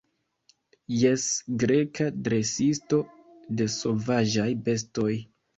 Jes, Greka dresisto de sovaĝaj bestoj.